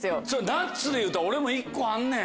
ナッツでいうたら俺も１個あんねん。